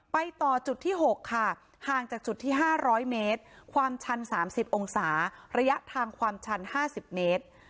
ต่อจุดที่๖ค่ะห่างจากจุดที่๕๐๐เมตรความชัน๓๐องศาระยะทางความชัน๕๐เมตร